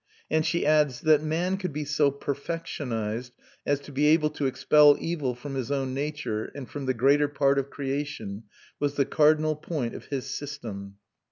And she adds: "That man could be so perfectionised as to be able to expel evil from his own nature, and from the greater part of creation, was the cardinal point of his system."